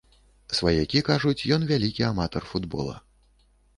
Сваякі кажуць, ён вялікі аматар футбола.